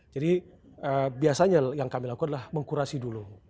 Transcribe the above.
jadi biasanya yang kami lakukan adalah mengkurasi dulu